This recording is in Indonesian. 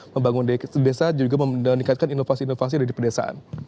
membangun desa juga meningkatkan inovasi inovasi dari pedesaan